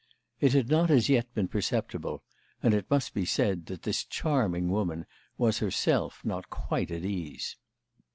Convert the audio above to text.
It had not as yet been perceptible, and it must be said that this charming woman was herself not quite at ease.